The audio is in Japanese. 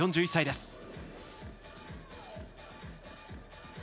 ４１歳です。